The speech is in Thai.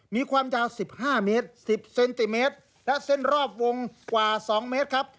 มีความยาว๑๕เมตร๑๐เซนติเมตรและเส้นรอบวงกว่า๒เมตรครับ